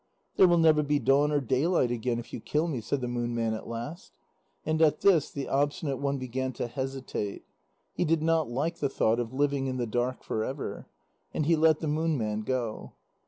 "There will never be dawn or daylight again if you kill me," said the Moon Man at last. And at this the Obstinate One began to hesitate; he did not like the thought of living in the dark for ever. And he let the Moon Man go.